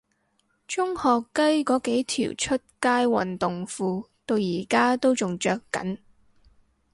中學雞嗰幾條出街運動褲到而家都仲着緊